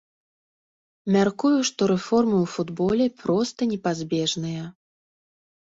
Мяркую, што рэформы ў футболе проста непазбежныя.